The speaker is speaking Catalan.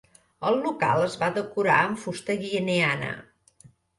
El local es va decorar amb fusta guineana.